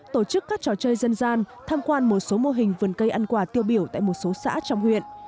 tổ chức các trò chơi dân gian tham quan một số mô hình vườn cây ăn quả tiêu biểu tại một số xã trong huyện